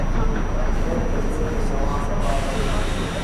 طبیعت د ژوند د دوام لپاره اړین دی